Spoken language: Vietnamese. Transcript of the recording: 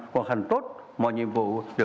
hoặc hành tốt mọi nhiệm vụ